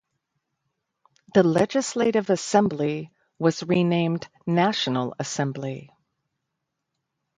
The Legislative Assembly was renamed National Assembly.